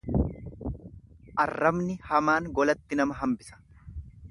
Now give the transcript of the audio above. Aarrabni hamaan golatti nama hambisa.